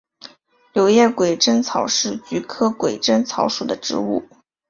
柳叶鬼针草是菊科鬼针草属的植物。